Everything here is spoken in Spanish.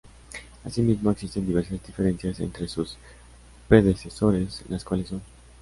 Así mismo, existen diversas diferencias entre sus predecesores, las cuales son;